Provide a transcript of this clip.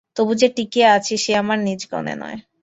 তবু যে টিঁকিয়া আছি সে আমার নিজগুণে নয়।